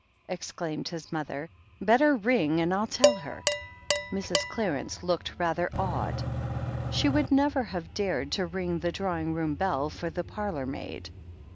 exclaimed his mother. "Better ring, and ril tell her." Mrs. Clarence looked rather awed. She would never have dared to ring the drawing room bell for the par lour maid.